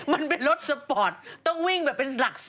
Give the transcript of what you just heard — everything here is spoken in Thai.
มันเป็นรถสปอร์ตต้องวิ่งแบบเป็นหลัก๒